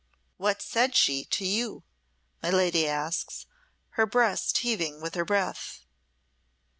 "What said she to you?" my lady asks, her breast heaving with her breath.